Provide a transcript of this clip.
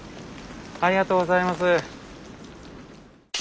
ありがとうございます。